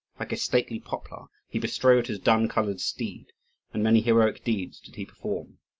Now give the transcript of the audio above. Like a stately poplar, he bestrode his dun coloured steed, and many heroic deeds did he perform.